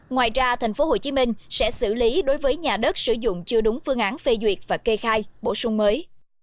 ngoài ra tp hcm sẽ xử lý đối với nhà đất sử dụng chưa đúng phương án phê duyệt và kê khai bổ sung mới